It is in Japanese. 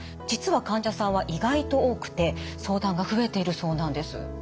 実は患者さんは意外と多くて相談が増えているそうなんです。